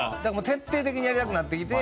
徹底的にやりたくなってきて。